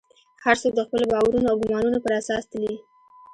هر څوک د خپلو باورونو او ګومانونو پر اساس تلي.